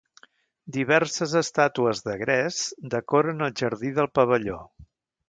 Diverses estàtues de gres decoren el jardí del pavelló.